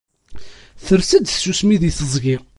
Ters-d tsusmi di teẓgi